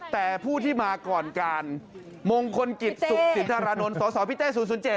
แต่ผู้ที่มาก่อนการมงคลกิจสุขสินธารานนท์สสพิเต้๐๐๗